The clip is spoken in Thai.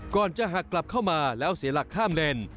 จะหักกลับเข้ามาแล้วเสียหลักข้ามเลน